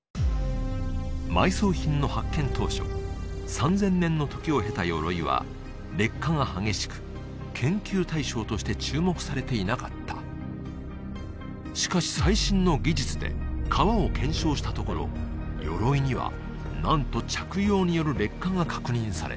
埋葬品の発見当初３０００年の時を経た鎧は劣化が激しく研究対象として注目されていなかったしかし最新の技術で革を検証したところ鎧には何と着用による劣化が確認され